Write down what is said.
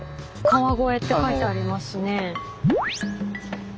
「川越」って書いてありますね。